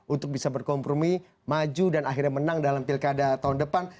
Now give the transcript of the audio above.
untuk bisa berkompromi maju dan akhirnya menang dalam pilkada tahun depan